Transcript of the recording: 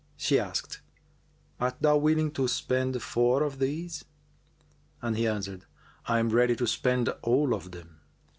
She asked, "Art thou willing to spend four of these?"; and he answered, "I am ready to spend all of them."